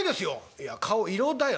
「いや顔色だよ